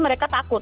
mereka juga ikut